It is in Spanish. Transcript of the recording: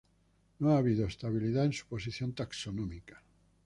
No ha habido estabilidad en su posición taxonómica.